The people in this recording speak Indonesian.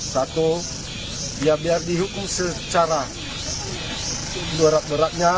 satu ya biar dihukum secara berat beratnya